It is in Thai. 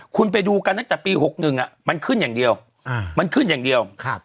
คุณไปดูกันนักตั้งแต่ปี๖๑มันขึ้นอย่างเดียว